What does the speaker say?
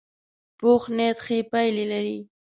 پوخ نیت ښې پایلې لري